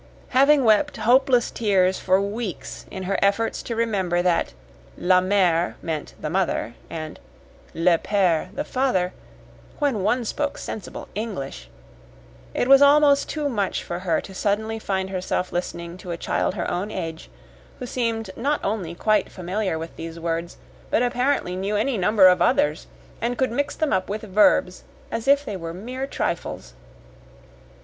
Having wept hopeless tears for weeks in her efforts to remember that "la mere" meant "the mother," and "le pere," "the father," when one spoke sensible English it was almost too much for her suddenly to find herself listening to a child her own age who seemed not only quite familiar with these words, but apparently knew any number of others, and could mix them up with verbs as if they were mere trifles.